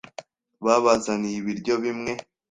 Babazaniye ibiryo bimwe.